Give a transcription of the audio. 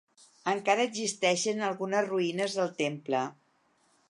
Encara existeixen algunes ruïnes del temple.